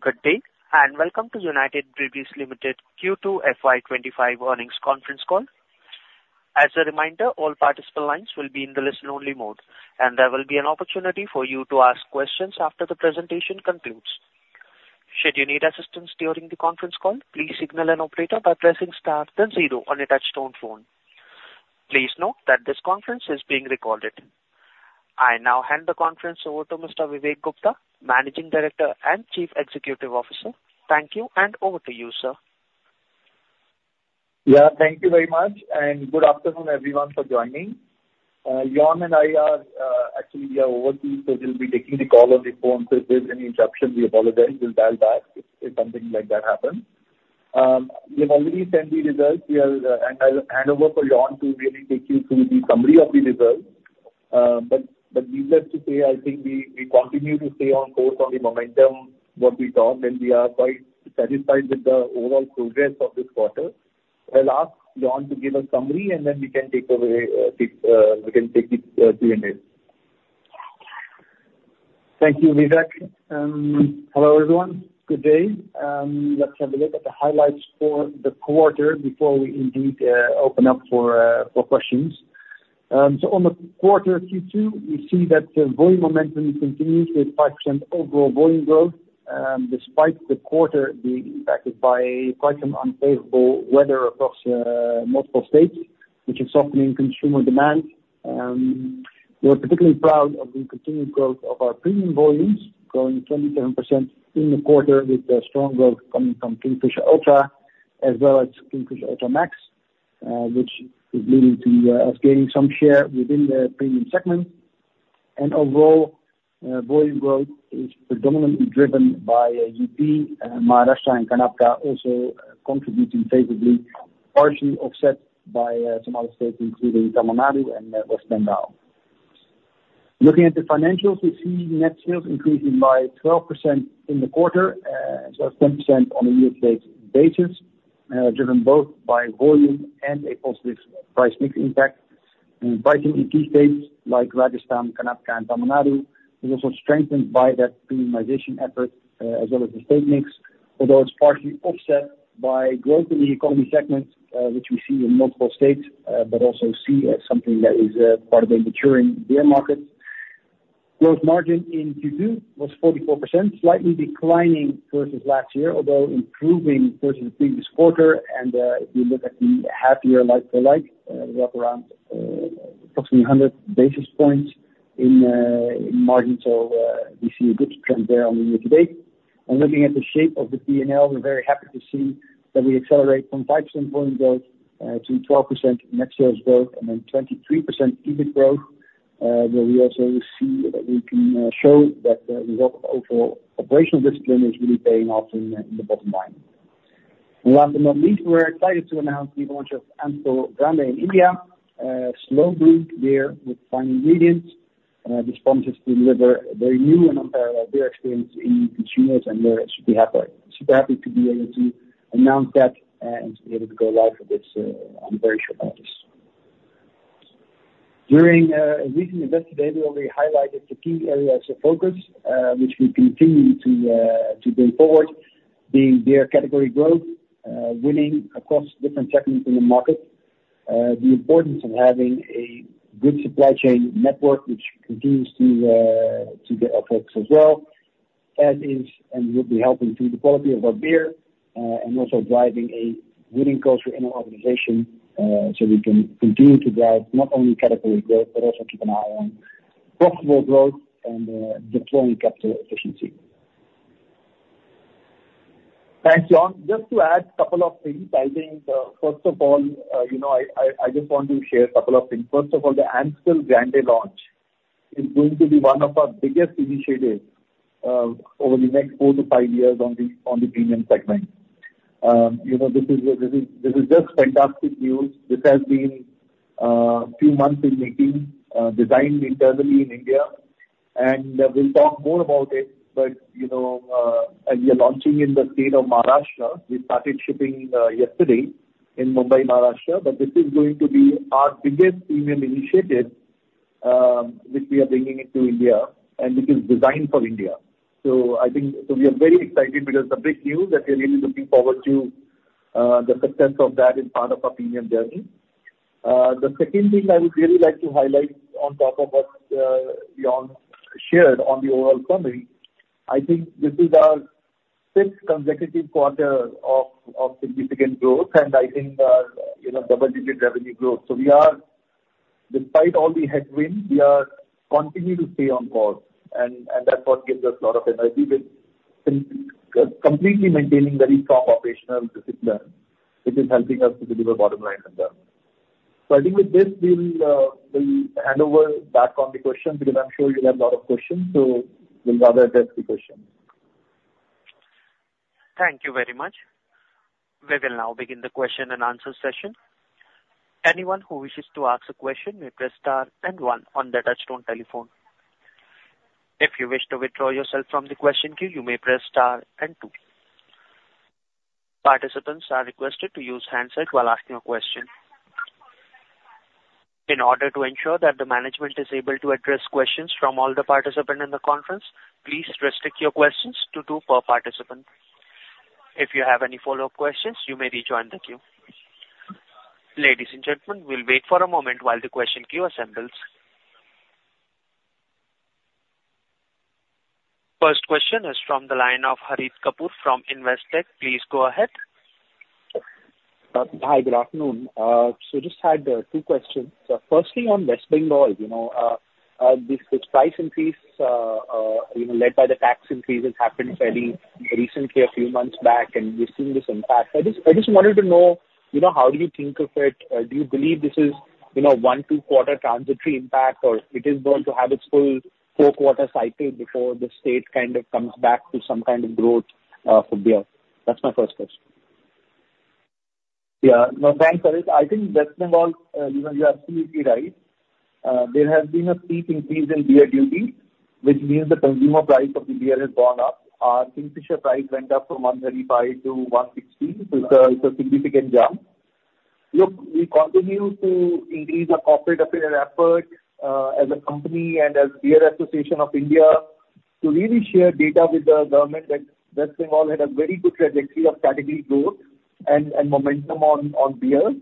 Good day, and welcome to United Breweries Limited Q2 FY twenty-five earnings conference call. As a reminder, all participant lines will be in the listen-only mode, and there will be an opportunity for you to ask questions after the presentation concludes. Should you need assistance during the conference call, please signal an operator by pressing star then zero on your touchtone phone. Please note that this conference is being recorded. I now hand the conference over to Mr. Vivek Gupta, Managing Director and Chief Executive Officer. Thank you, and over to you, sir. Yeah, thank you very much, and good afternoon, everyone, for joining. Jan and I are actually overseas, so we'll be taking the call on the phone. So if there's any interruption, we apologize. We'll dial back if something like that happens. We've already sent the results. And I'll hand over for Jan to really take you through the summary of the results. But needless to say, I think we continue to stay on course on the momentum, what we talked, and we are quite satisfied with the overall progress of this quarter. I'll ask Jan to give a summary, and then we can take over, take, we can take the Q&A. Thank you, Vivek. Hello, everyone. Good day. Let's have a look at the highlights for the quarter before we indeed open up for questions. So on the quarter Q2, we see that the volume momentum continues with 5% overall volume growth, despite the quarter being impacted by quite some unfavorable weather across multiple states, which is softening consumer demand. We're particularly proud of the continued growth of our premium volumes, growing 27% in the quarter, with the strong growth coming from Kingfisher Ultra as well as Kingfisher Ultra Max, which is leading to us gaining some share within the premium segment. And overall, volume growth is predominantly driven by UP, Maharashtra, and Karnataka also contributing favorably, partially offset by some other states, including Tamil Nadu and West Bengal. Looking at the financials, we see net sales increasing by 12% in the quarter, so 10% on a year-to-date basis, driven both by volume and a positive price mix impact. And pricing in key states like Rajasthan, Karnataka, and Tamil Nadu is also strengthened by that premiumization effort, as well as the state mix, although it's partially offset by growth in the economy segment, which we see in multiple states, but also see as something that is, part of a maturing beer market. Gross margin in Q2 was 44%, slightly declining versus last year, although improving versus the previous quarter. And, if you look at the half year like for like, we're up around, approximately 100 basis points in margin. So, we see a good trend there on the year to date. And looking at the shape of the P&L, we're very happy to see that we accelerate from 5% volume growth to 12% net sales growth and then 23% EBIT growth, where we also see that we can show that the work of overall operational discipline is really paying off in the bottom line. Last but not least, we're excited to announce the launch of Amstel Grande in India, a slow brewed beer with fine ingredients, which promises to deliver a very new and unparalleled beer experience in consumers, and we're super happy, super happy to be able to announce that, and to be able to go live with this. I'm very sure about this. During a recent Investor Day, we already highlighted the key areas of focus, which we continue to bring forward, being beer category growth, winning across different segments in the market, the importance of having a good supply chain network, which continues to get our focus as well, as is, and will be helping to the quality of our beer, and also driving a winning culture in our organization, so we can continue to drive not only category growth, but also keep an eye on profitable growth and deploying capital efficiency. Thanks, Jan. Just to add a couple of things. I think, first of all, you know, I just want to share a couple of things. First of all, the Amstel Grande launch is going to be one of our biggest initiatives, over the next four to five years on the, on the premium segment. You know, this is just fantastic news. This has been few months in making, designed internally in India, and we'll talk more about it, but, you know, we are launching in the state of Maharashtra. We started shipping yesterday in Mumbai, Maharashtra. But this is going to be our biggest premium initiative, which we are bringing into India, and which is designed for India. So I think, so we are very excited because it's big news, that we are really looking forward to, the success of that as part of our premium journey. The second thing I would really like to highlight on top of what, Jan shared on the overall summary, I think this is our sixth consecutive quarter of significant growth, and I think, you know, double-digit revenue growth. So we are... Despite all the headwinds, we are continuing to stay on course, and that's what gives us a lot of energy with completely maintaining very strong operational discipline, which is helping us to deliver bottom line as well. So I think with this, we will, we'll hand over back on the questions, because I'm sure you'll have a lot of questions, so we'd rather address the questions. Thank you very much. We will now begin the question-and-answer session. Anyone who wishes to ask a question may press star and one on their touchtone telephone. If you wish to withdraw yourself from the question queue, you may press star and two. Participants are requested to use handset while asking a question. In order to ensure that the management is able to address questions from all the participants in the conference, please restrict your questions to two per participant. If you have any follow-up questions, you may rejoin the queue. Ladies and gentlemen, we'll wait for a moment while the question queue assembles. First question is from the line of Harit Kapoor from Investec. Please go ahead. Hi, good afternoon. So just had two questions. Firstly, on West Bengal, you know, this, this price increase, you know, led by the tax increases happened fairly recently, a few months back, and we've seen this impact. I just wanted to know, you know, how do you think of it? Do you believe this is, you know, one, two quarter transitory impact, or it is going to have its full four quarter cycle before the state kind of comes back to some kind of growth, for beer? That's my first question. Yeah, no, thanks, Harit. I think West Bengal, you know, you are completely right. There has been a steep increase in beer duty, which means the consumer price of the beer has gone up. Our Kingfisher price went up from 135 to 160. So it's a significant jump. Look, we continue to increase our corporate affairs effort as a company and as Brewers Association of India, to really share data with the government that West Bengal had a very good trajectory of category growth and momentum on beer.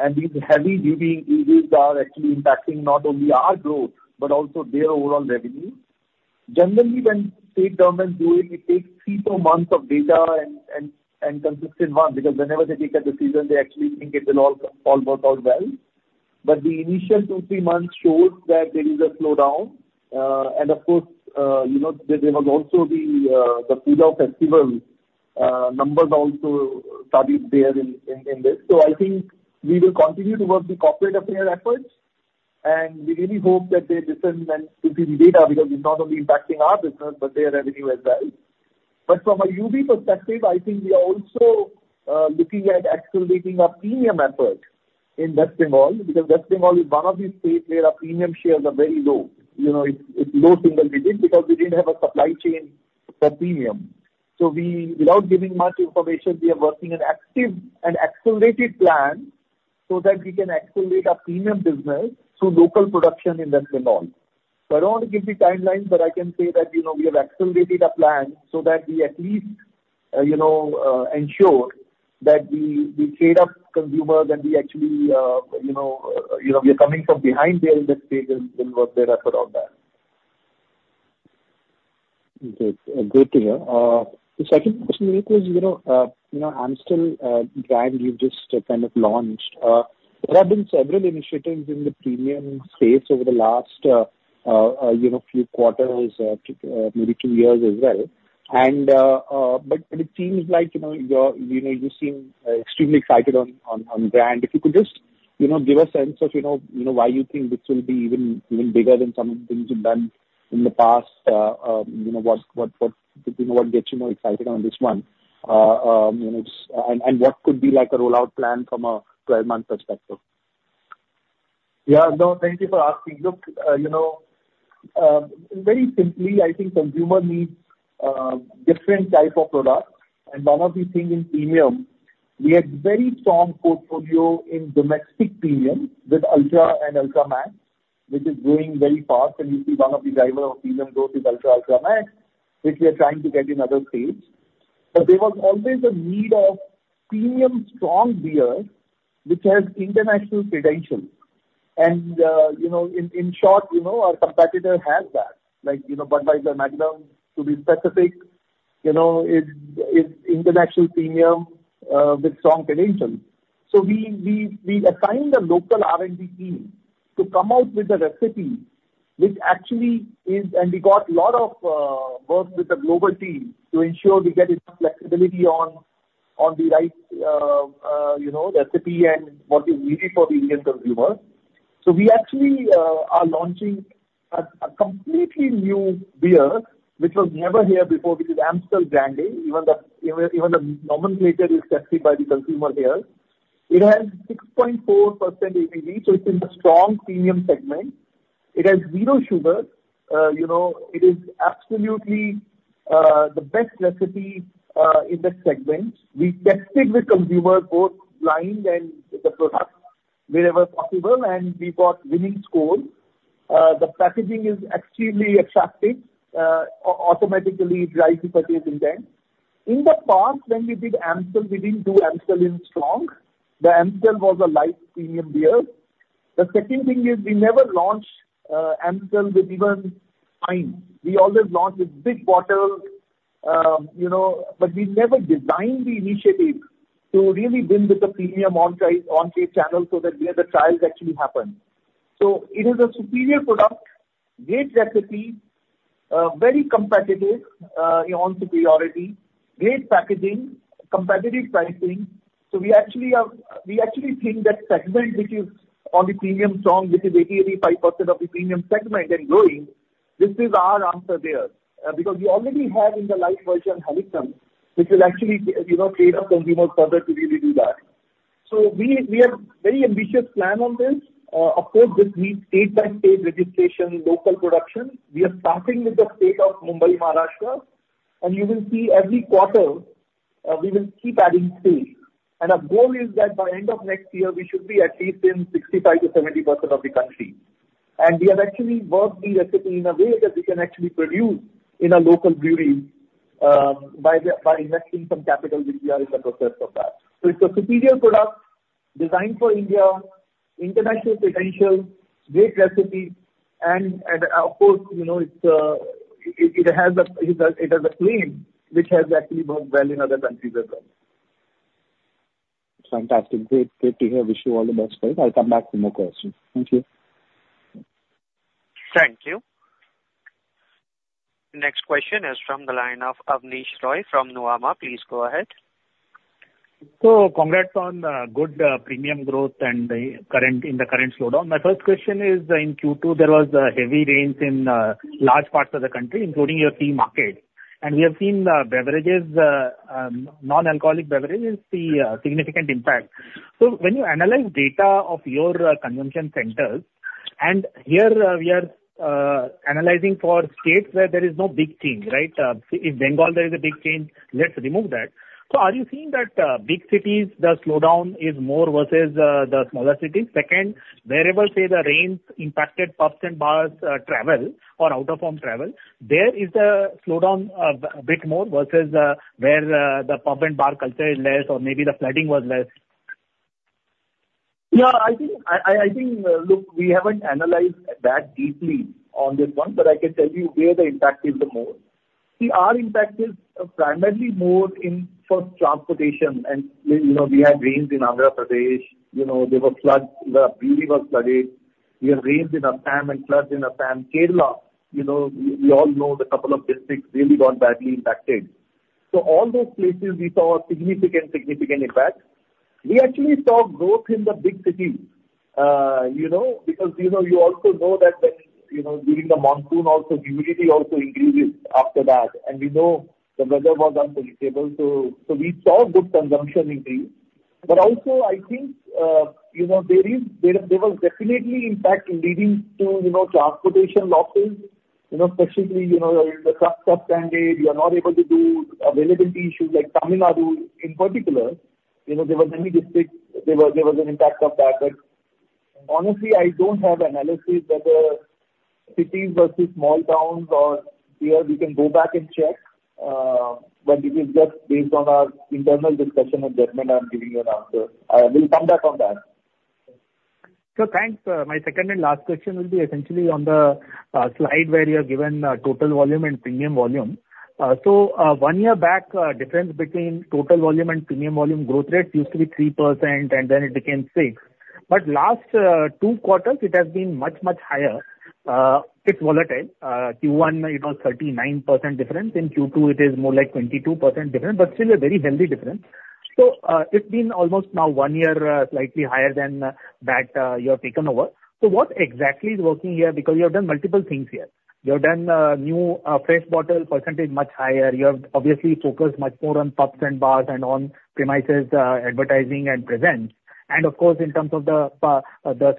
And these heavy duty increases are actually impacting not only our growth, but also their overall revenue. Generally, when state government do it, it takes three, four months of data and consistent one, because whenever they take a decision, they actually think it will all work out well. But the initial two, three months shows that there is a slowdown. And of course, you know, there was also the festival numbers also started there in this. So I think we will continue to work the corporate affairs efforts, and we really hope that they listen and to the data, because it's not only impacting our business, but their revenue as well. But from a UB perspective, I think we are also looking at accelerating our premium effort in West Bengal, because West Bengal is one of the states where our premium shares are very low. You know, it's low single digits, because we didn't have a supply chain for premium. So we, without giving much information, we are working an active and accelerated plan so that we can accelerate our premium business to local production in West Bengal. I don't want to give the timeline, but I can say that, you know, we have accelerated our plan so that we at least you know, we are coming from behind there in that state and work their effort on that. Good. Good to hear. The second question is, you know, you know, Amstel brand you've just kind of launched. There have been several initiatives in the premium space over the last, you know, few quarters, maybe two years as well. And but it seems like, you know, you're, you know, you seem extremely excited on brand. If you could just, you know, give a sense of, you know, you know, why you think this will be even bigger than some of the things you've done in the past. You know, what gets you more excited on this one? And what could be like a rollout plan from a twelve-month perspective? Yeah. No, thank you for asking. Look, you know, very simply, I think consumer needs different type of products, and one of the thing in premium, we had very strong portfolio in domestic premium with Ultra and Ultra Max, which is growing very fast, and you see one of the driver of premium growth is Ultra, Ultra Max, which we are trying to get in other states. But there was always a need of premium strong beer, which has international credentials. And, you know, in short, you know, our competitor has that, like, you know, Budweiser Magnum, to be specific, you know, it's international premium with strong credentials. So we assigned a local R&D team to come out with a recipe, which actually is... And we got a lot of work with the global team to ensure we get enough flexibility on the right you know recipe and what is needed for the Indian consumer. So we actually are launching a completely new beer, which was never here before, which is Amstel Grande. Even the nomenclature is tested by the consumer here. It has 6.4% ABV, so it's in the strong premium segment. It has zero sugar. You know, it is absolutely the best recipe in the segment. We tested with consumer, both blind and the product wherever possible, and we got winning score. The packaging is extremely attractive, automatically drives the purchase intent. In the past, when we did Amstel, we didn't do Amstel in strong. The Amstel was a light premium beer. The second thing is we never launched Amstel with even wine. We always launched with big bottles, you know, but we never designed the initiative to really build with the premium on-site channel so that we have the trials actually happen. So it is a superior product, great recipe, very competitive on superiority, great packaging, competitive pricing. So we actually think that segment, which is on the premium strong, which is 85% of the premium segment and growing, this is our answer there. Because we already have in the light version, Heineken, which will actually, you know, trade up consumers further to really do that. So we have very ambitious plan on this. Of course, this needs state by state registration, local production. We are starting with the state of Mumbai, Maharashtra, and you will see every quarter, we will keep adding space. And our goal is that by end of next year, we should be at least in 65%-70% of the country. And we have actually worked the recipe in a way that we can actually produce in a local brewery, by investing some capital, which we are in the process of that. So it's a superior product designed for India, international credentials, great recipe, and, of course, you know, it has a claim which has actually worked well in other countries as well. Fantastic. Great, great to hear. Wish you all the best, guys. I'll come back with more questions. Thank you. Thank you. Next question is from the line of Avnish Roy from Nuvama. Please go ahead. So congrats on good premium growth and the current in the current slowdown. My first question is, in Q2, there was heavy rains in large parts of the country, including your key market, and we have seen beverages, non-alcoholic beverages see significant impact, so when you analyze data of your consumption centers, and here we are analyzing for states where there is no big change, right? In Bengal, there is a big change. Let's remove that, so are you seeing that big cities, the slowdown is more versus the smaller cities? Second, wherever, say, the rains impacted pubs and bars, travel or out-of-home travel, there is the slowdown a bit more versus where the pub and bar culture is less or maybe the flooding was less? Yeah, I think, look, we haven't analyzed that deeply on this one, but I can tell you where the impact is the most. See, our impact is primarily more in first, transportation. And, you know, we had rains in Andhra Pradesh. You know, there were floods. The brewery was flooded. We have rains in Assam and floods in Assam. Kerala, you know, we all know the couple of districts really got badly impacted. So all those places we saw a significant impact. We actually saw growth in the big cities, you know, because, you know, you also know that the, you know, during the monsoon also, humidity also increases after that. And we know the weather was unpredictable, so we saw good consumption increase. But also, I think, you know, there was definitely impact leading to, you know, transportation losses. You know, specifically, you know, the trucks are stranded. You are not able to do availability issues like Tamil Nadu in particular. You know, there were many districts, there was an impact of that. But honestly, I don't have analysis whether cities versus small towns or here we can go back and check, but it is just based on our internal discussion and judgment I'm giving you an answer. We'll come back on that. So thanks. My second and last question will be essentially on the slide where you have given total volume and premium volume. So one year back, difference between total volume and premium volume growth rates used to be 3%, and then it became 6%. But last two quarters, it has been much, much higher. It's volatile. Q1, it was 39% difference. In Q2, it is more like 22% difference, but still a very healthy difference. It's been almost now one year, slightly higher than that you have taken over. So what exactly is working here? Because you have done multiple things here. You have done new fresh bottle percentage much higher. You have obviously focused much more on pubs and bars and on-premises, advertising and presence, and of course, in terms of the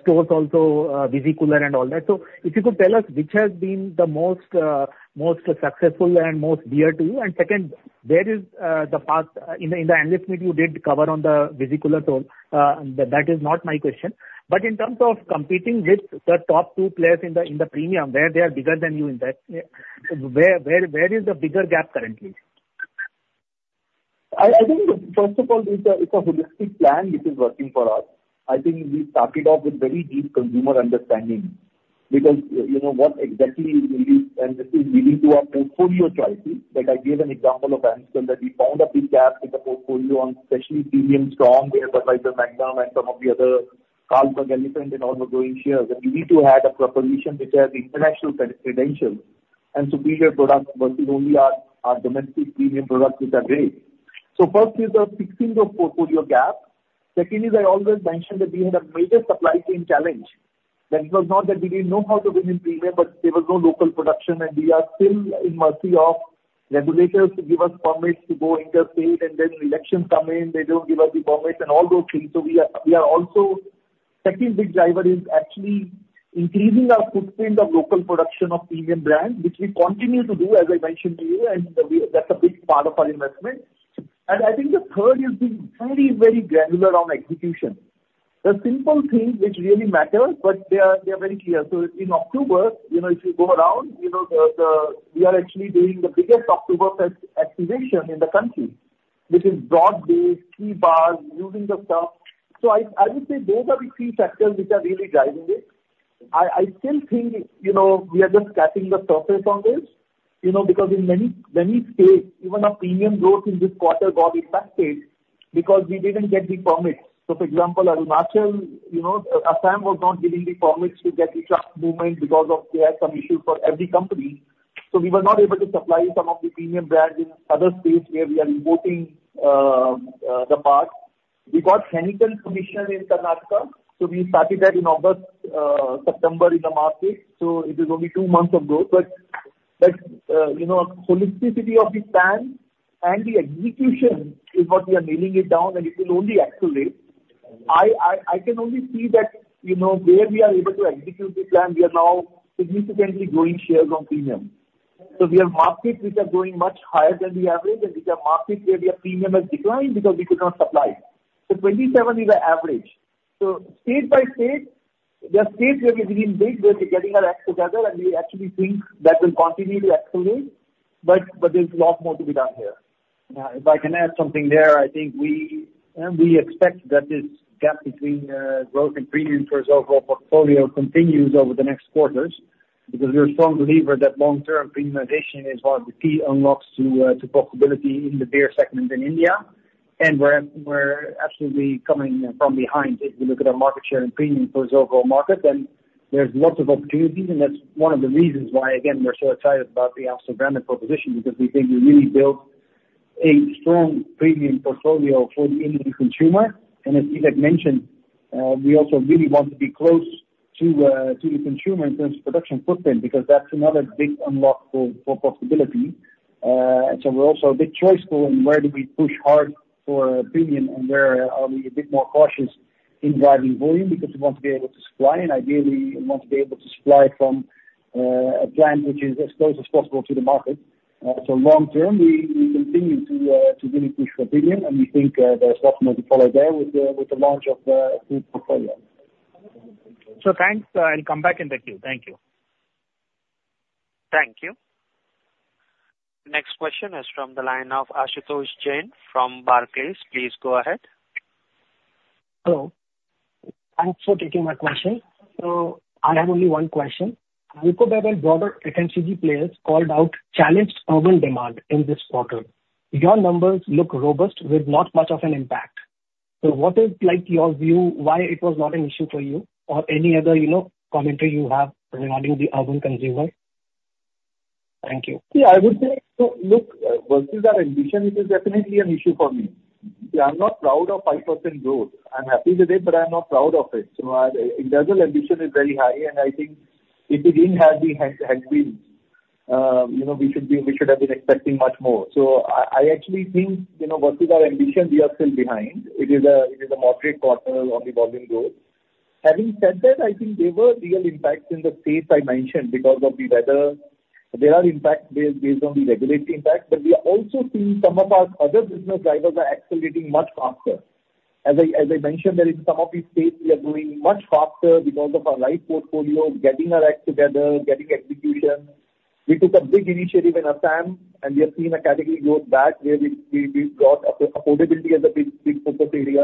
stores also, Visi-cooler and all that. So if you could tell us which has been the most successful and most dear to you. And second, where is the path. In the analyst meet, you did cover on the uncertain. That is not my question. But in terms of competing with the top two players in the premium, where they are bigger than you in that, where is the bigger gap currently? I think, first of all, it's a holistic plan which is working for us. I think we started off with very deep consumer understanding because, you know, what exactly is really, and this is leading to our portfolio choices. Like I gave an example of Amstel, that we found a big gap in the portfolio on especially premium strong, where the Budweiser Magnum and some of the other Carlsberg Elephant and all were gaining share. That we need to add a proposition which has international credentials and superior products versus only our domestic premium products, which are great. So first is the fixing the portfolio gap. Secondly, I always mentioned that we had a major supply chain challenge, that it was not that we didn't know how to win in premium, but there was no local production, and we are still at the mercy of regulators to give us permits to go interstate, and then elections come in, they don't give us the permits and all those things. So we are also... Second big driver is actually increasing our footprint of local production of premium brands, which we continue to do, as I mentioned to you, and we, that's a big part of our investment. And I think the third is being very, very granular on execution. The simple things which really matter, but they are very clear. So in October, you know, if you go around, you know, the, we are actually doing the biggest Oktoberfest activation in the country, which is broad-based, key bars, using the pubs. So I would say those are the three factors which are really driving it. I still think, you know, we are just scratching the surface on this, you know, because in many states, even our premium growth in this quarter got impacted because we didn't get the permits. So for example, Arunachal, you know, Assam was not giving the permits to get the truck movement because they had some issue for every company. So we were not able to supply some of the premium brands in other states where we are importing the beers. We got clinical permission in Karnataka, so we started that in August, September in the market, so it is only two months of growth. But that, you know, holisticity of the plan and the execution is what we are nailing it down, and it will only accelerate. I can only see that, you know, where we are able to execute the plan, we are now significantly growing shares on premium. So we have markets which are growing much higher than the average, and these are markets where their premium has declined because we could not supply. So 27 is the average. So state by state, there are states where we've been big, where we're getting our act together, and we actually think that will continue to accelerate, but there's a lot more to be done here. If I can add something there, I think we expect that this gap between growth and premium for our overall portfolio continues over the next quarters, because we're a strong believer that long-term premiumization is one of the key unlocks to profitability in the beer segment in India, and we're absolutely coming from behind. If you look at our market share and premium for the overall market, then there's lots of opportunities, and that's one of the reasons why, again, we're so excited about the Amstel Grande brand proposition, because we think we really built a strong premium portfolio for the Indian consumer, and as Vivek mentioned, we also really want to be close to the consumer in terms of production footprint, because that's another big unlock for profitability. And so we're also a big choice for, and where do we push hard for premium, and where are we a bit more cautious in driving volume? Because we want to be able to supply, and ideally, we want to be able to supply from a plant which is as close as possible to the market. So long term, we continue to really push for premium, and we think there's a lot more to follow there with the launch of the new portfolio. So thanks, I'll come back in the queue. Thank you. Thank you. Next question is from the line of Ashutosh Jain from Barclays. Please go ahead. Hello. Thanks for taking my question. So I have only one question. Heineken and other FMCG players called out the challenged urban demand in this quarter. Your numbers look robust with not much of an impact. So what is like your view, why it was not an issue for you or any other, you know, commentary you have regarding the urban consumer? Thank you. See, I would say, so look, versus our ambition, it is definitely an issue for me. See, I'm not proud of 5% growth. I'm happy with it, but I'm not proud of it. So our in-house ambition is very high, and I think if we didn't have the headwind, you know, we should have been expecting much more. So I actually think, you know, versus our ambition, we are still behind. It is a moderate quarter on the volume growth. Having said that, I think there were real impacts in the states I mentioned because of the weather. There are impacts based on the regulatory impact, but we are also seeing some of our other business drivers are accelerating much faster. As I, as I mentioned, there is some of these states we are growing much faster because of our light portfolio, getting our act together, getting execution. We took a big initiative in Assam, and we have seen a category growth back, where we brought affordability as a big, big focus area.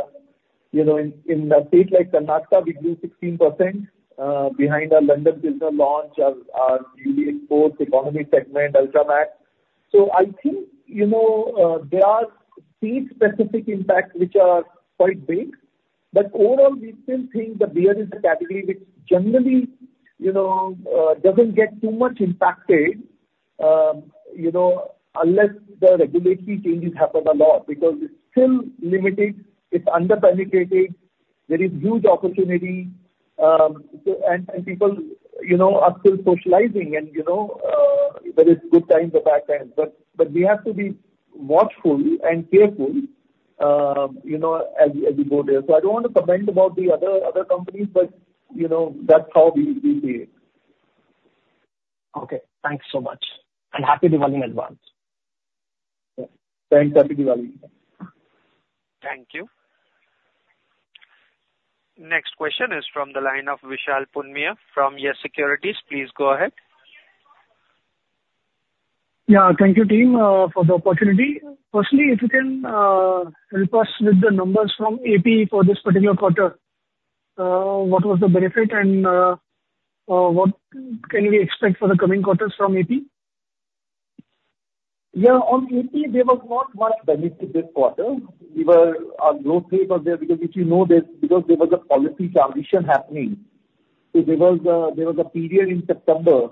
You know, in a state like Karnataka, we grew 16%, behind our London Pilsner launch and our newly launched economy segment, Ultra Max. I think, you know, there are key specific impacts which are quite big, but overall, we still think the beer is a category which generally, you know, doesn't get too much impacted, you know, unless the regulatory changes happen a lot, because it's still limited, it's under-penetrated, there is huge opportunity, so... And people, you know, are still socializing, and, you know, there is good times or bad times. But we have to be watchful and careful, you know, as we go there. So I don't want to comment about the other companies, but, you know, that's how we see it. Okay, thanks so much, and happy Diwali in advance. Thanks. Happy Diwali! Thank you. Next question is from the line of Vishal Punmiya from Yes Securities. Please go ahead. Yeah, thank you, team, for the opportunity. Firstly, if you can help us with the numbers from AP for this particular quarter, what was the benefit and what can we expect for the coming quarters from AP? Yeah, on AP, there was not much benefit this quarter. Our growth rate was there, because if you know this, because there was a policy transition happening. So there was a period in September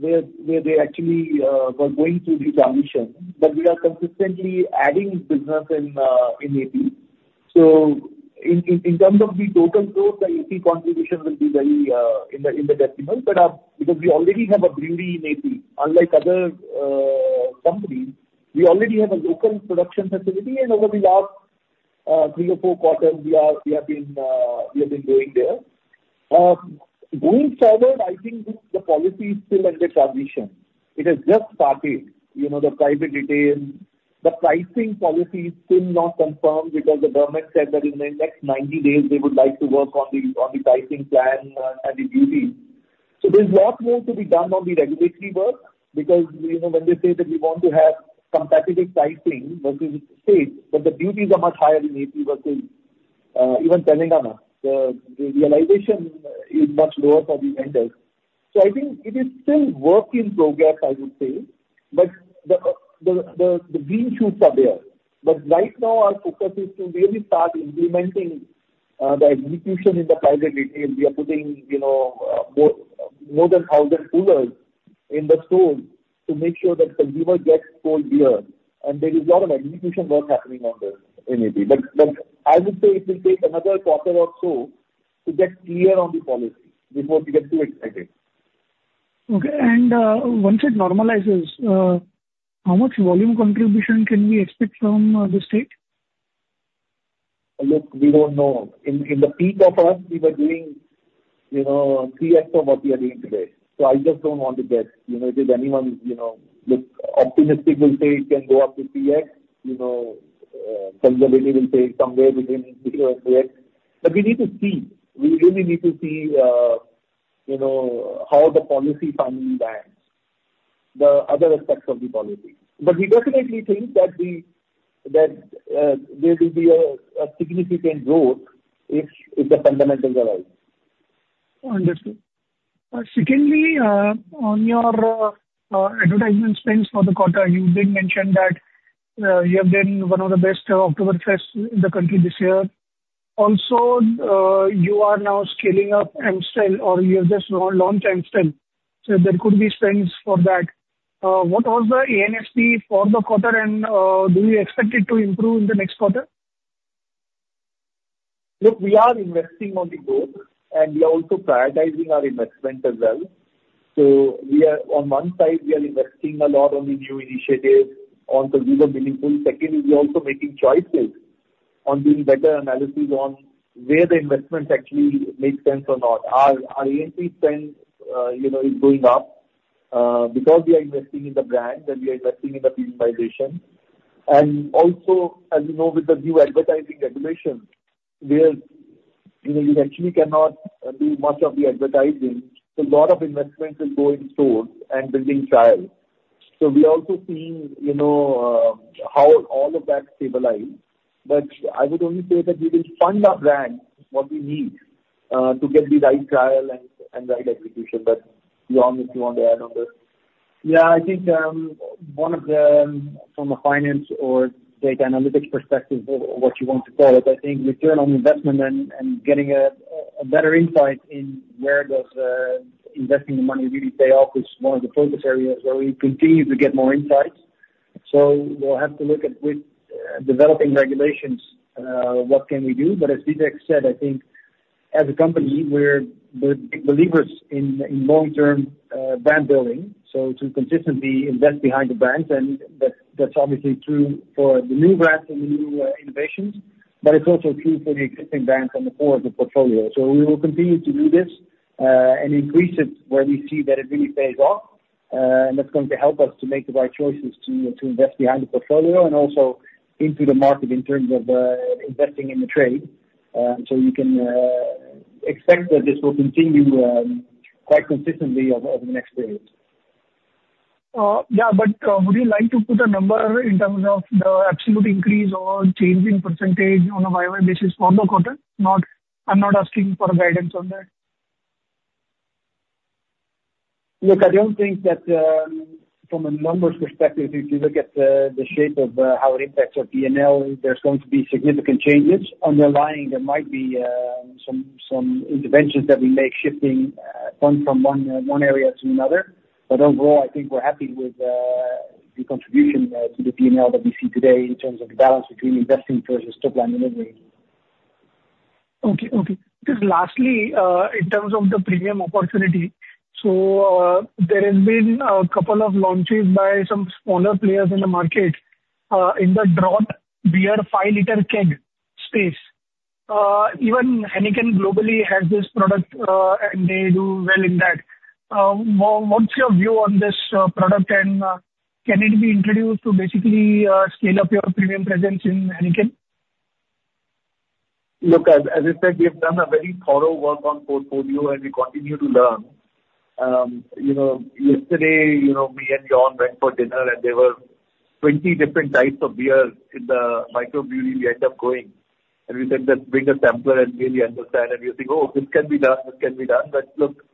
where they actually were going through the transition, but we are consistently adding business in AP. So in terms of the total growth, the AP contribution will be very in the decimal, but because we already have a brewery in AP, unlike other companies, we already have a local production facility. And over the last three or four quarters, we have been growing there. Going forward, I think the policy is still under transition. It has just started, you know, the private retail. The pricing policy is still not confirmed because the government said that in the next ninety days they would like to work on the pricing plan and the duties. So there's lot more to be done on the regulatory work, because, you know, when they say that we want to have competitive pricing, which is great, but the duties are much higher in AP versus even Telangana. The realization is much lower for the vendors. So I think it is still work in progress, I would say. But the green shoots are there. But right now our focus is to really start implementing the execution in the private retail. We are putting, you know, more than a thousand coolers in the stores to make sure that the consumer gets cold beer, and there is a lot of execution work happening on this in AP. But I would say it will take another quarter or so to get clear on the policy before we get too excited.... Okay, and, once it normalizes, how much volume contribution can we expect from this state? Look, we don't know. In the peak of us, we were doing, you know, three X from what we are doing today. So I just don't want to guess. You know, if anyone, you know, look, optimistic will say it can go up to three X, you know, conservative will say somewhere within zero three X. But we need to see. We really need to see, you know, how the policy finally lands, the other aspects of the policy. But we definitely think that we-- that there will be a significant growth if the fundamentals arise. Understood. Secondly, on your advertisement spends for the quarter, you did mention that you have been one of the best Oktoberfest in the country this year. Also, you are now scaling up Amstel or you have just launched Amstel, so there could be spends for that. What was the A&P for the quarter, and do you expect it to improve in the next quarter? Look, we are investing on the growth, and we are also prioritizing our investment as well. So we are, on one side, we are investing a lot on the new initiatives, on the volume building pool. Secondly, we are also making choices on doing better analysis on where the investments actually make sense or not. Our A&P spend, you know, is going up, because we are investing in the brand, and we are investing in the premiumization. And also, as you know, with the new advertising regulations, where, you know, you actually cannot do much of the advertising, so a lot of investments is going towards and building trial. So we are also seeing, you know, how all of that stabilize. But I would only say that we will fund our brand, what we need, to get the right trial and right execution. But, Jan, if you want to add on this? Yeah, I think, one of the, from a finance or data analytics perspective, or what you want to call it, I think return on investment and getting a better insight in where does investing the money really pay off is one of the focus areas where we continue to get more insights. So we'll have to look at with developing regulations what can we do? But as Vivek said, I think as a company, we're believers in long-term brand building, so to consistently invest behind the brands, and that's obviously true for the new brands and the new innovations, but it's also true for the existing brands and the core of the portfolio. So we will continue to do this and increase it where we see that it really pays off and that's going to help us to make the right choices to invest behind the portfolio and also into the market in terms of investing in the trade. So you can expect that this will continue quite consistently over the next period. Yeah, but, would you like to put a number in terms of the absolute increase or change in percentage on a YOY basis for the quarter? Not... I'm not asking for a guidance on that. Look, I don't think that from a numbers perspective, if you look at the shape of how it impacts our P&L, there's going to be significant changes. Underlying, there might be some interventions that we make, shifting funds from one area to another. But overall, I think we're happy with the contribution to the P&L that we see today in terms of the balance between investing versus top line delivery. Okay, okay. Just lastly, in terms of the premium opportunity, so, there has been a couple of launches by some smaller players in the market, in the draught beer five-liter keg space. Even Heineken globally has this product, and they do well in that. What's your view on this product, and can it be introduced to basically scale up your premium presence in Heineken? Look, as, as I said, we have done a very thorough work on portfolio, and we continue to learn. You know, yesterday, you know, me and Jan went for dinner, and there were 20 different types of beer in the microbrewery we end up going, and we said, "Let's bring a sampler and really understand," and we think, "Oh, this can be done, this can be done." But look,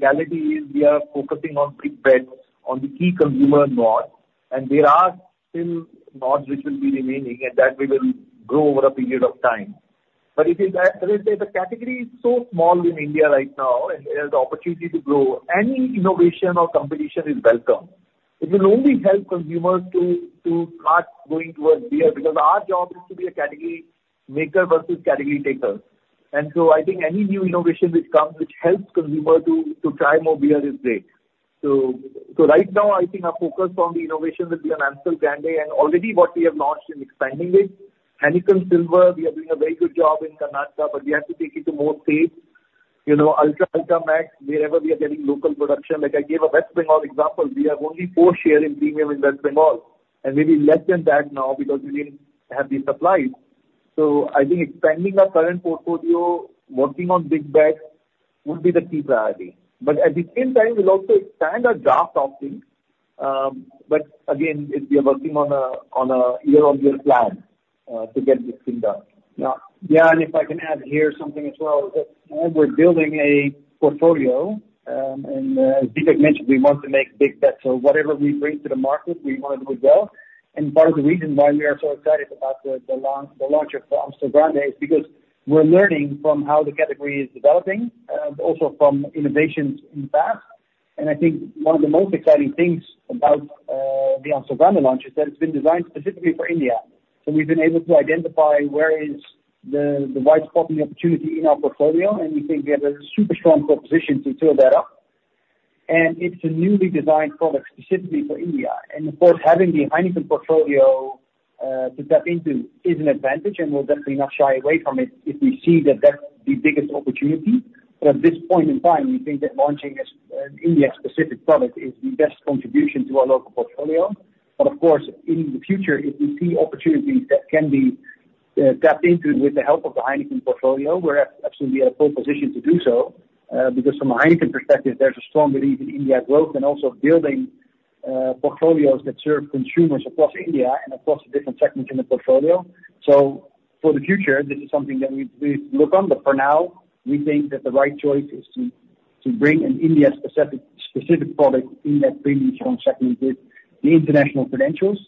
reality is we are focusing on big bets, on the key consumer needs, and there are still nods which will be remaining, and that we will grow over a period of time. But it is as, as I said, the category is so small in India right now, and it has the opportunity to grow. Any innovation or competition is welcome. It will only help consumers to start going towards beer, because our job is to be a category maker versus category taker. And so I think any new innovation which comes, which helps consumer to try more beer is great. So right now, I think our focus on the innovation will be on Amstel Grande, and already what we have launched and expanding it. Heineken Silver, we are doing a very good job in Karnataka, but we have to take it to more states. You know, Ultra, Ultra Max, wherever we are getting local production. Like I gave a West Bengal example. We have only 4% share in premium in West Bengal, and maybe less than that now because we didn't have the supplies. So I think expanding our current portfolio, working on big bets would be the key priority. But at the same time, we'll also expand our draft offerings, but again, it's we are working on a year-on-year plan to get this thing done. Yeah, yeah, and if I can add here something as well, that as we're building a portfolio, and Vivek mentioned we want to make big bets, so whatever we bring to the market, we want to do well. And part of the reason why we are so excited about the launch of Amstel Grande is because we're learning from how the category is developing, also from innovations in the past. And I think one of the most exciting things about-... the Amstel Grande launch is that it's been designed specifically for India. So we've been able to identify where is the right spotting opportunity in our portfolio, and we think we have a super strong proposition to build that up. And it's a newly designed product specifically for India. And of course, having the Heineken portfolio to tap into is an advantage, and we'll definitely not shy away from it if we see that that's the biggest opportunity. But at this point in time, we think that launching this India-specific product is the best contribution to our local portfolio. But of course, in the future, if we see opportunities that can be tapped into with the help of the Heineken portfolio, we're absolutely in a full position to do so. Because from a Heineken perspective, there's a strong belief in India growth and also building portfolios that serve consumers across India and across the different segments in the portfolio. So for the future, this is something that we look on, but for now, we think that the right choice is to bring an India-specific product in that premium strong segment with the international credentials.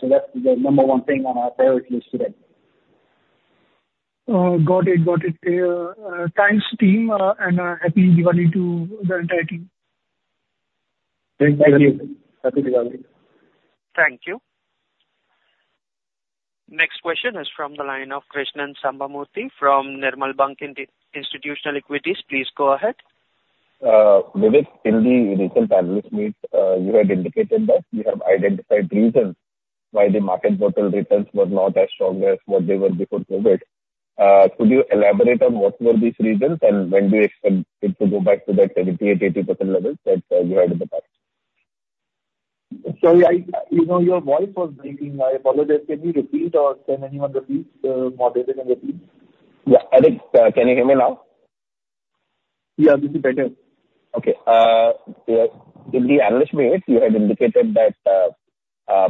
So that's the number one thing on our priority list today. Got it. Got it, thanks, team, and happy Diwali to the entire team. Thank you. Happy Diwali. Thank you. Next question is from the line of Krishnan Sambamoorthy from Nirmal Bang Institutional Equities. Please go ahead. In the recent analyst meet, you had indicated that you have identified reasons why the market bottle returns were not as strong as what they were before COVID. Could you elaborate on what were these reasons, and when do you expect it to go back to that 70%-80% levels that you had in the past? Sorry, you know, your voice was breaking. I apologize. Can you repeat, or can anyone repeat what was it again, please? Yeah, Amit, can you hear me now? Yeah, this is better. Okay, yeah. In the analyst meet, you had indicated that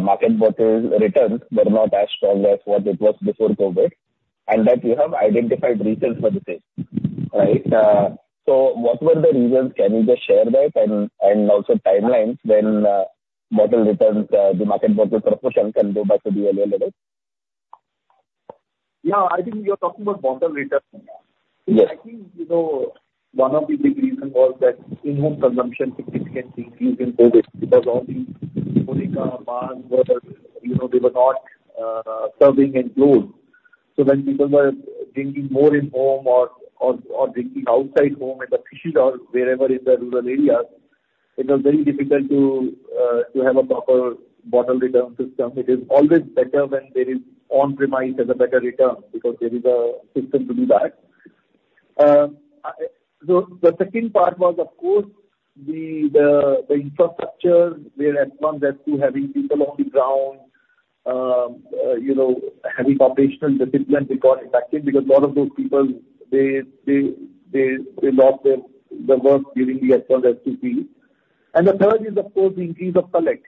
market bottle returns were not as strong as what it was before COVID, and that you have identified reasons for this, right? So what were the reasons? Can you just share that and also timelines when bottle returns, the market bottle proportion can go back to the old levels? Yeah, I think you're talking about bottle returns. Yes. I think, you know, one of the big reason was that in-home consumption significantly increased in COVID because all the bars were, you know, they were not serving in stores. So when people were drinking more in home or drinking outside home in the fields or wherever in the rural areas, it was very difficult to have a proper bottle return system. It is always better when there is on-premise. It has a better return because there is a system to do that. So the second part was, of course, the infrastructure, whereas lockdowns having people on the ground, you know, having operational discipline got impacted because a lot of those people, they lost their work during the so-called uncertain. And the third is, of course, the increase in costs.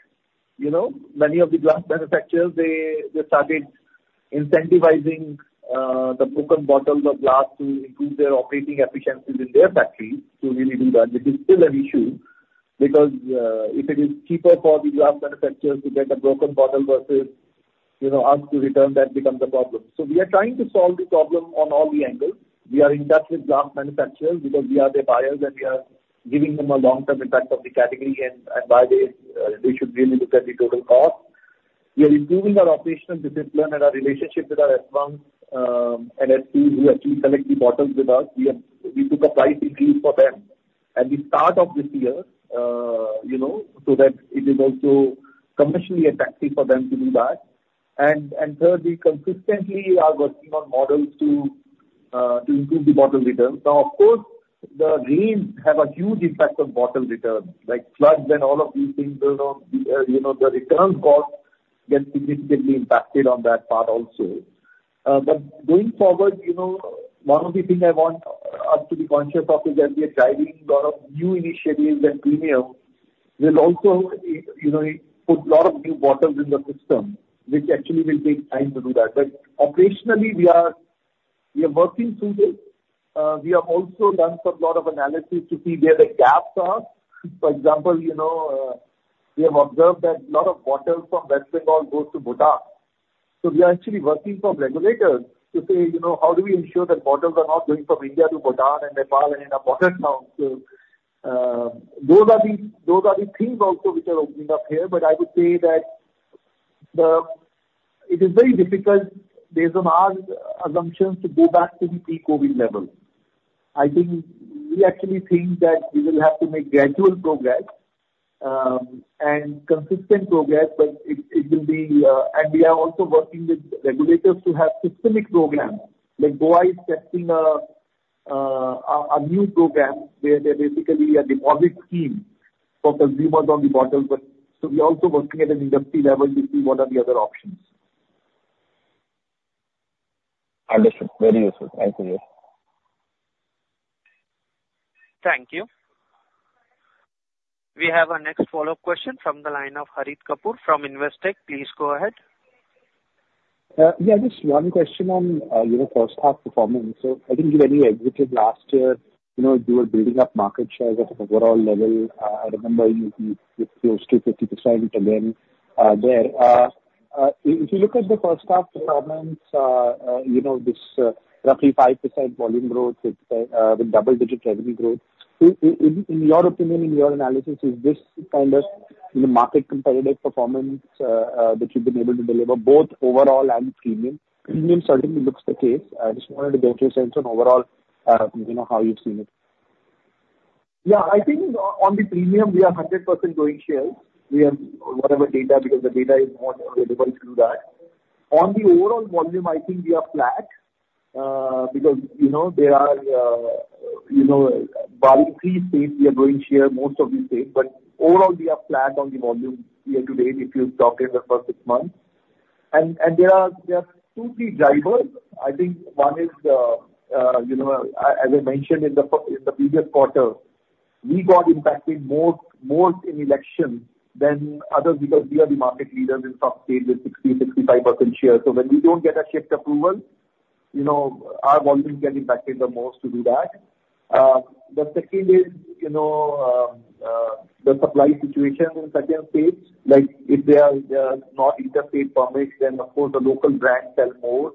You know, many of the glass manufacturers, they started incentivizing the broken bottles of glass to improve their operating efficiencies in their factories to really do that. This is still an issue because if it is cheaper for the glass manufacturers to get a broken bottle versus, you know, ask to return, that becomes a problem. So we are trying to solve the problem on all the angles. We are in touch with glass manufacturers because we are their buyers, and we are giving them a long-term impact of the category and why they should really look at the total cost. We are improving our operational discipline and our relationship with our associates, and those who actually collect the bottles with us. We took a price increase for them at the start of this year, you know, so that it is also commercially attractive for them to do that. And third, we consistently are working on models to improve the bottle returns. Now, of course, the rains have a huge impact on bottle returns, like floods and all of these things. You know, the return costs get significantly impacted on that part also. But going forward, you know, one of the things I want us to be conscious of is that we are driving a lot of new initiatives and premiums. We'll also, you know, put a lot of new bottles in the system, which actually will take time to do that. But operationally, we are working through this. We have also done a lot of analysis to see where the gaps are. For example, you know, we have observed that a lot of bottles from West Bengal go to Bhutan. So we are actually working with regulators to say, you know, "How do we ensure that bottles are not going from India to Bhutan and Nepal and in a border town?" So, those are the things also which are opening up here. But I would say that the... It is very difficult based on our assumptions, to go back to the pre-COVID level. I think we actually think that we will have to make gradual progress, and consistent progress, but it will be... And we are also working with regulators to have systemic programs, like Goa is testing a new program where there's basically a deposit scheme for consumers on the bottle. But so we're also working at an industry level to see what are the other options. Understood. Very useful. Thank you. Thank you. We have our next follow-up question from the line of Harit Kapoor from Investec. Please go ahead. Yeah, just one question on your first half performance. So I think you've already executed last year. You know, you were building up market share at an overall level. I remember you were close to 50% and then if you look at the first half performance, you know, this roughly 5% volume growth, it's with double-digit revenue growth. In your opinion, in your analysis, is this kind of, you know, market competitive performance that you've been able to deliver both overall and premium? Premium certainly looks the case. I just wanted to get your sense on overall, you know, how you've seen it. Yeah, I think on the premium, we are 100% growing share. We have whatever data, because the data is not available to do that. On the overall volume, I think we are flat, because, you know, there are volume three states we are growing share most of the states, but overall we are flat on the volume year to date, if you talk in the first six months. And there are two, three drivers. I think one is, you know, as I mentioned in the previous quarter, we got impacted more in election than others, because we are the market leaders in some states with 60-65% share. So when we don't get a shift approval, you know, our volumes get impacted the most to do that. The second is, you know, the supply situation in such states, like, if they are not interstate permits, then of course the local brands sell more,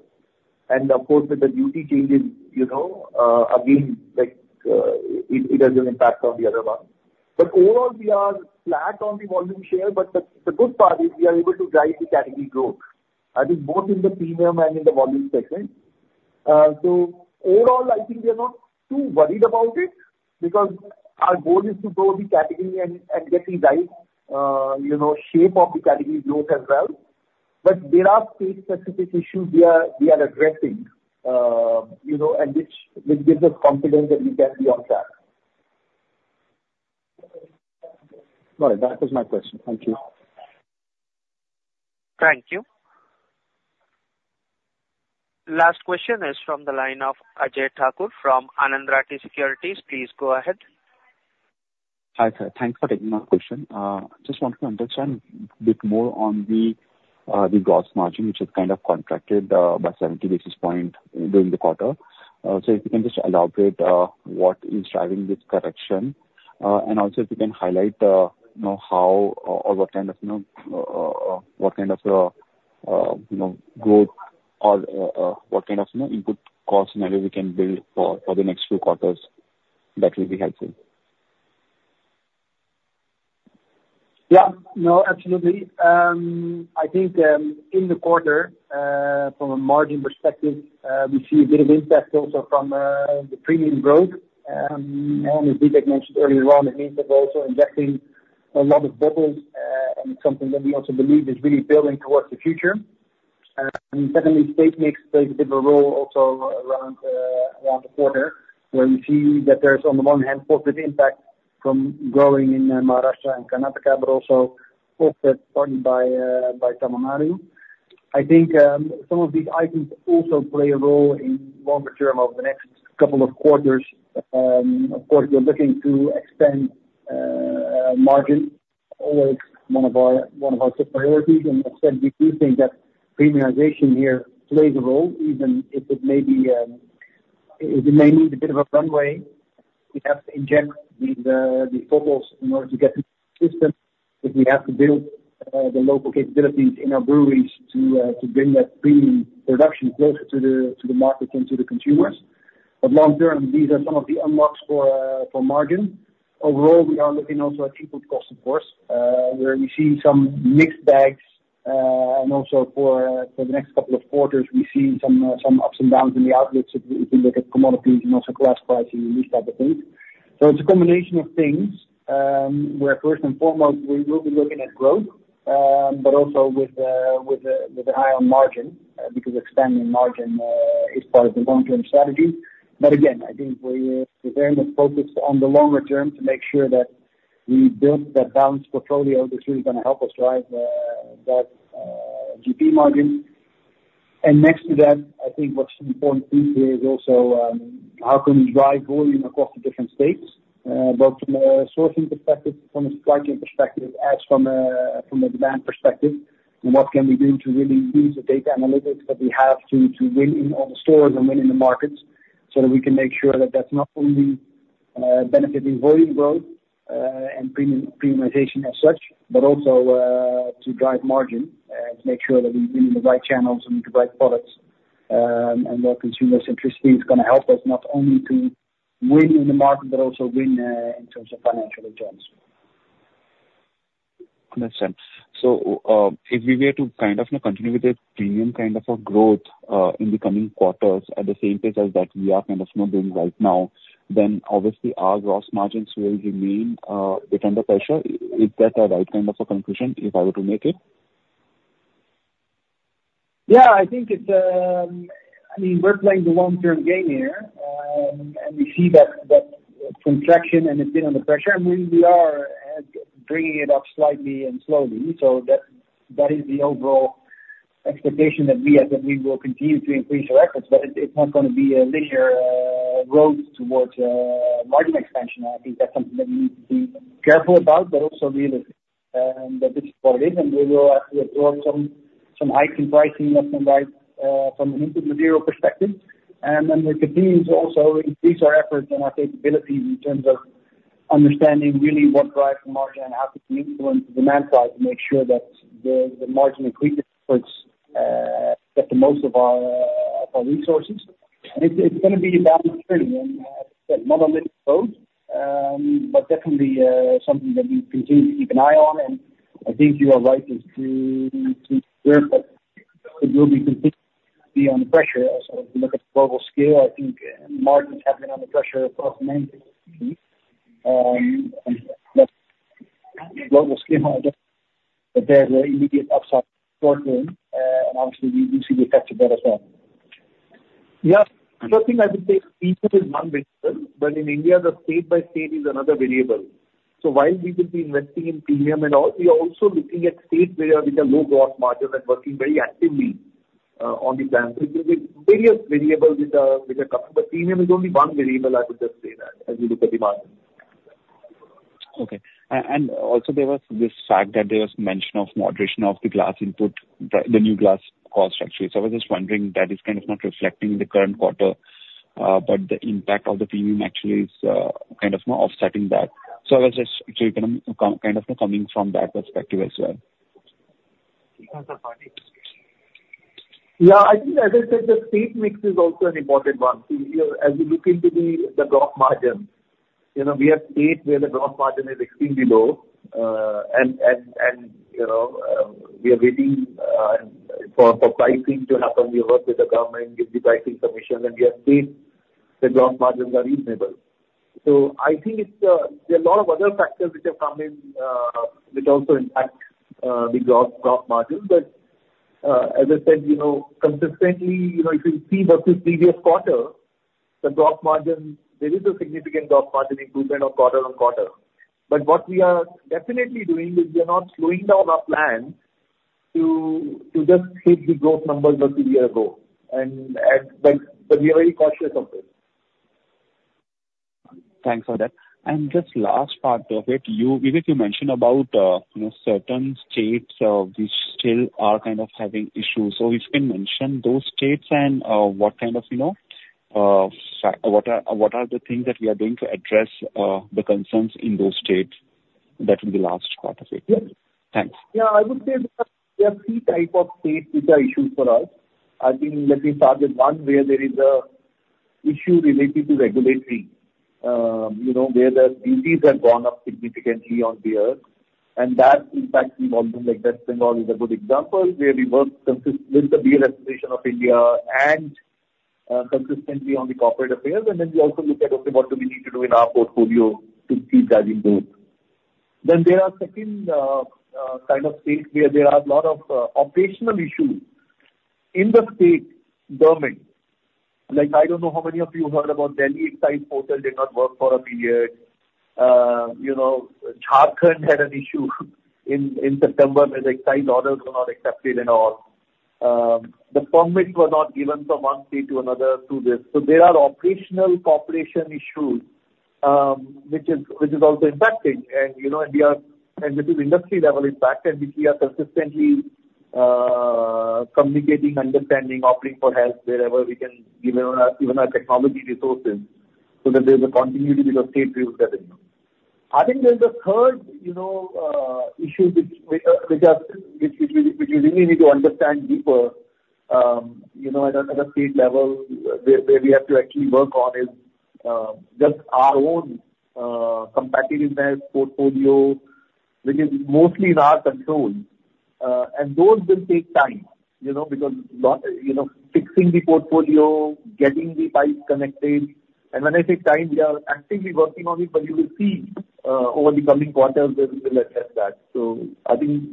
and of course, with the duty changes, you know, again, like, it has an impact on the other one, but overall, we are flat on the volume share, but the good part is we are able to drive the category growth, I think both in the premium and in the volume segment, so overall, I think we are not too worried about it, because our goal is to grow the category and get the right, you know, shape of the category growth as well, but there are state-specific issues we are addressing, you know, and which gives us confidence that we can be on track. All right. That was my question. Thank you. Thank you. Last question is from the line of Ajay Thakur from Anand Rathi Securities. Please go ahead. Hi, sir. Thanks for taking my question. Just want to understand a bit more on the gross margin, which has kind of contracted by 70 basis points during the quarter. So if you can just elaborate what is driving this correction? And also if you can highlight, you know, how or what kind of growth or input cost narrative we can build for the next few quarters, that will be helpful. Yeah. No, absolutely. I think, in the quarter, from a margin perspective, we see a bit of impact also from the premium growth, and as Vivek mentioned earlier on, it means that we're also investing a lot of bottles, and something that we also believe is really building towards the future. Secondly, state mix plays a different role also around the quarter, where we see that there's on the one hand positive impact from growing in Maharashtra and Karnataka, but also offset partly by Tamil Nadu. I think some of these items also play a role in longer term, over the next couple of quarters. Of course, we are looking to expand margin, always one of our top priorities. the extent we do think that premiumization here plays a role, even if it may be, it may need a bit of a runway. We have to inject the bottles in order to get the system, but we have to build the local capabilities in our breweries to bring that premium production closer to the market and to the consumers. But long term, these are some of the unlocks for margin. Overall, we are looking also at input cost, of course, where we see some mixed bags, and also for the next couple of quarters, we're seeing some ups and downs in the outlets, if we look at commodities and also glass pricing and these type of things. So it's a combination of things, where first and foremost we will be looking at growth, but also with an eye on margin, because expanding margin is part of the long-term strategy. But again, I think we're very much focused on the longer term to make sure that we build that balanced portfolio that's really gonna help us drive that GP margin. And next to that, I think what's important too here is also how can we drive volume across the different states, both from a sourcing perspective, from a stocking perspective, from a demand perspective, and what can we do to really use the data analytics that we have to win in all the stores and win in the markets? So that we can make sure that that's not only benefiting volume growth and premium premiumization as such, but also to drive margin, to make sure that we win in the right channels and the right products, and where consumers' interest is gonna help us, not only to win in the market, but also win in terms of financial returns. Understood. So, if we were to kind of continue with the premium kind of a growth, in the coming quarters at the same pace as that we are kind of, you know, doing right now, then obviously our gross margins will remain, bit under pressure. Is that a right kind of a conclusion, if I were to make it? Yeah, I think it's. I mean, we're playing the long-term game here, and we see that contraction and it's been under pressure, and we are bringing it up slightly and slowly. So that is the overall expectation that we have, that we will continue to increase our efforts, but it's not gonna be a linear road towards margin expansion. I think that's something that we need to be careful about, but also realistic that this is what it is, and we will actually absorb some hiking pricing and some right from an input material perspective. And then we continue to also increase our efforts and our capabilities in terms of-... Understanding really what drives the margin and how to influence the demand side to make sure that the margin increase efforts get the most of our resources. And it's gonna be a balancing journey, and not a linear approach, but definitely something that we continue to keep an eye on. And I think you are right just to be clear, but it will completely be under pressure. Also, if you look at the global scale, I think margins have been under pressure across many global scale, but there's an immediate upside short term, and obviously we see the effect of that as well. Yeah. First thing I would say, premium is one variable, but in India, the state by state is another variable. So while we will be investing in premium and all, we are also looking at states where, with a low gross margin and working very actively, on the plan. So there's various variables which are coming, but premium is only one variable, I would just say that, as we look at the market. Okay. And also there was this fact that there was mention of moderation of the glass input, the new glass cost structure. So I was just wondering that is kind of not reflecting the current quarter, but the impact of the premium actually is kind of more offsetting that. So I was just, so you can kind of coming from that perspective as well. Yeah, I think, as I said, the state mix is also an important one. So here, as we look into the gross margin, you know, we have states where the gross margin is extremely low. And you know, we are waiting for pricing to happen. We work with the government, give the pricing permission, and we have seen the gross margins are reasonable. So I think it's there are a lot of other factors which have come in, which also impact the gross margin. But as I said, you know, consistently, you know, if you see versus previous quarter, the gross margin, there is a significant gross margin improvement on quarter on quarter. But what we are definitely doing is we are not slowing down our plan to just hit the growth numbers that we are grow. But we are very cautious of it. Thanks for that. And just last part of it, you, Vivek, you mentioned about, you know, certain states, which still are kind of having issues. So if you can mention those states and, what kind of, you know, what are the things that we are doing to address the concerns in those states? That will be last part of it. Yes. Thanks. Yeah, I would say there are three types of states which are issues for us. I think, let me start with one where there is an issue related to regulatory, you know, where the duties have gone up significantly on beer. And that, in fact, we have in West Bengal is a good example, where we work consistently with the Brewers Association of India and consistently on the corporate affairs. And then we also look at, okay, what do we need to do in our portfolio to keep that in both? Then there are second kind of states where there are a lot of operational issues in the state government. Like, I don't know how many of you heard about Delhi excise portal did not work for a period. You know, Jharkhand had an issue in September, where the excise orders were not accepted at all. The permits were not given from one state to another through this. So there are operational cooperation issues, which is also impacting. You know, this is industry level impact, which we are consistently communicating, understanding, offering for help wherever we can, even our technology resources, so that there's a continuity with the state distribution. I think there's a third, you know, issue which we really need to understand deeper, you know, at a state level, where we have to actually work on is just our own competitiveness portfolio, which is mostly in our control. And those will take time, you know, because a lot. You know, fixing the portfolio, getting the pipes connected, and when I say time, we are actively working on it, but you will see over the coming quarters that we will address that. So I think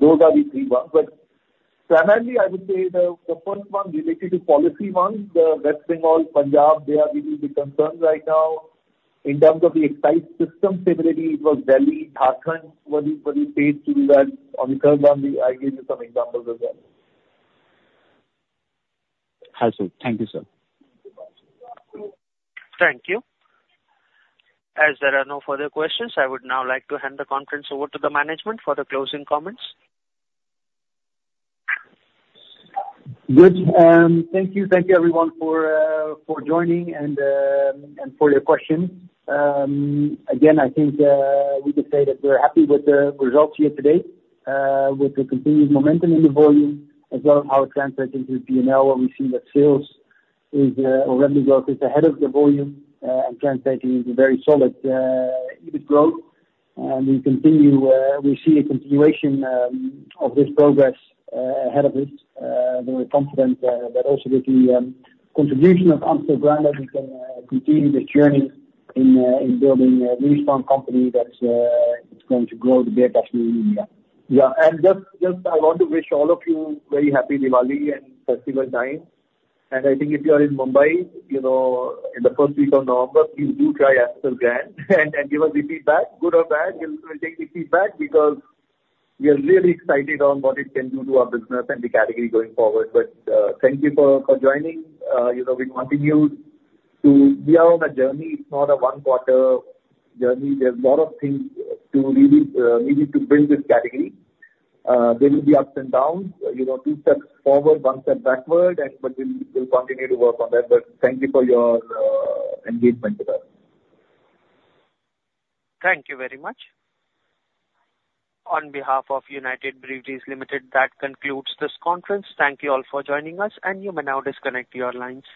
those are the three ones. But primarily, I would say the first one related to policy ones, West Bengal, Punjab, they are really the concerns right now. In terms of the excise system, separately, it was Delhi, Jharkhand, were the states to be well on the curve. I gave you some examples as well. Hi, sir. Thank you, sir. Thank you. As there are no further questions, I would now like to hand the conference over to the management for the closing comments. Good. Thank you. Thank you everyone for joining and for your questions. Again, I think we could say that we're happy with the results here today, with the continued momentum in the volume, as well as our translating to P&L, where we see that sales is or revenue growth is ahead of the volume, and translating into very solid EBIT growth. And we continue, we see a continuation of this progress ahead of us. We're confident that also with the contribution of Amstel Grande, that we can continue this journey in building a strong company that's going to grow the beer category in India. Yeah. And just I want to wish all of you very happy Diwali and festival time. I think if you are in Mumbai, you know, in the first week of November, you do try Amstel Grande, and give us the feedback, good or bad. We'll take the feedback because we are really excited on what it can do to our business and the category going forward. But thank you for joining. You know, we continue to. We are on a journey. It's not a one quarter journey. There's a lot of things to really build this category. There will be ups and downs, you know, two steps forward, one step backward, but we'll continue to work on that. But thank you for your engagement with us. Thank you very much. On behalf of United Breweries Limited, that concludes this conference. Thank you all for joining us, and you may now disconnect your lines.